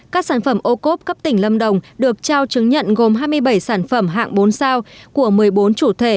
các sản phẩm ô cốp cấp tỉnh lâm đồng được trao chứng nhận gồm hai mươi bảy sản phẩm hạng bốn sao của một mươi bốn chủ thể